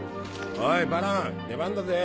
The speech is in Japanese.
おいバロン出番だぜ。